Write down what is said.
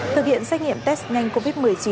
thực hiện xét nghiệm test nhanh covid một mươi chín